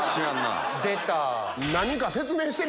出た。